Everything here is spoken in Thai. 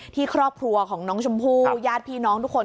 ครอบครัวของน้องชมพู่ญาติพี่น้องทุกคน